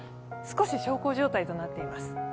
少し小康状態となっています。